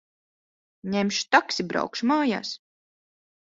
Ņemšu taksi. Braukšu mājās.